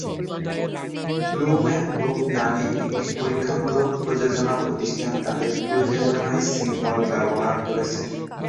Blue man group নামের একটি পরীক্ষামূলক প্রযোজনা প্রতিষ্ঠান তাদের প্রযোজনায় সিম্বলম ব্যবহার করেছে।